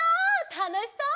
たのしそう！